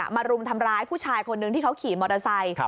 รุมทำร้ายผู้ชายคนนึงที่เขาขี่มอเตอร์ไซค์